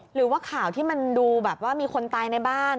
หรือว่าข่าวที่มันดูแบบว่ามีคนตายในบ้าน